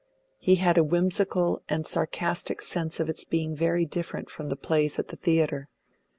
He had a whimsical and sarcastic sense of its being very different from the plays at the theatre.